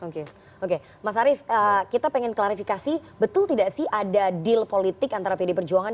oke oke mas arief kita ingin klarifikasi betul tidak sih ada deal politik antara pd perjuangan